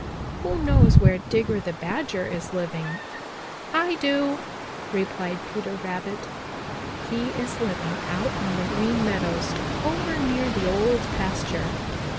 Who knows where Digger the Badger is living?" "I do," replied Peter Rabbit. "He is living out on the Green Meadows over near the Old Pasture."